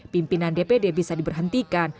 pimpinan dpd bisa diberhentikan